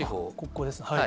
ここですね。